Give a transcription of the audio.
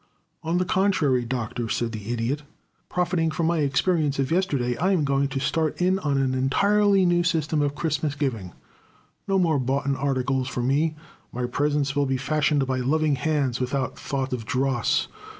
"On the contrary, Doctor," said the Idiot. "Profiting from my experience of yesterday I am going to start in on an entirely new system of Christmas giving. No more boughten articles for me my presents will be fashioned by loving hands without thought of dross.